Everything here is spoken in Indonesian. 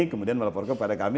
kemudian melaporkan kepada kami